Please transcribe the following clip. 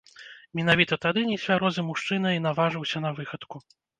Менавіта тады нецвярозы мужчына і наважыўся на выхадку.